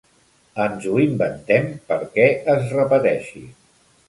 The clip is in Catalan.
Ens ho inventem perquè es repeteixi.